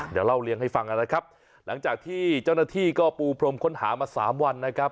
เดี๋ยวเล่าเลี้ยงให้ฟังนะครับหลังจากที่เจ้าหน้าที่ก็ปูพรมค้นหามาสามวันนะครับ